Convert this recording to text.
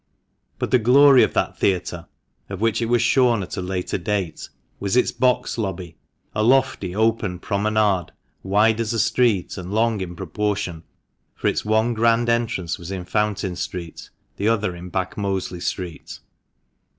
But the glory of that theatre, of which it was shorn at a later date, was its box lobby — a lofty, open promenade, wide as a street, and long in proportion, for its one grand entrance was in Fountain Street, the other in Back Mosley Street.